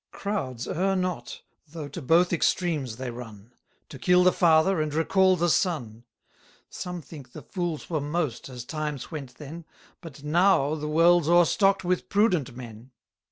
Crowds err not, though to both extremes they run; To kill the father, and recall the son. 100 Some think the fools were most, as times went then, But now the world's o'erstock'd with prudent men.